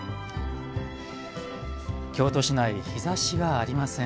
京都市内、日ざしはありません。